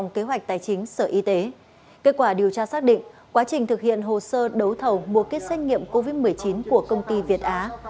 kết quả điều tra xác định quá trình thực hiện hồ sơ đấu thầu mua kết xét nghiệm covid một mươi chín của công ty việt á